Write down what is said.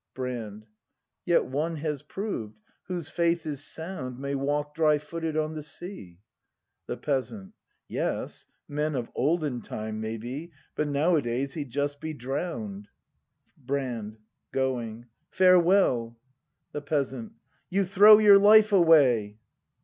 Brand. Yet one has proved, — whose faith is sound May walk dry footed on the sea. The Peasant. Yes, men of o^den time, maybcij But nowadays he'd just be drowned. Brand. [Going.] Farewell ! The Peasant. * You throw your life away!